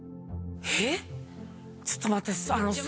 えっちょっと待ってあのさ。